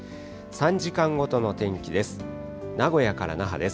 ３時間ごとの天気です。